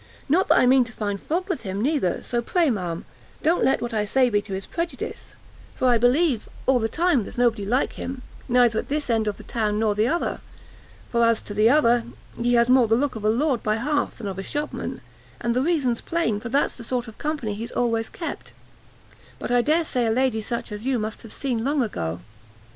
Not that I mean to find fault with him neither; so pray, ma'am, don't let what I say be to his prejudice, for I believe all the time, there's nobody like him, neither at this end of the town nor the other; for as to the other, he has more the look of a lord, by half, than of a shopman, and the reason's plain, for that's the sort of company he's always kept, as I daresay a lady such as you must have seen long ago.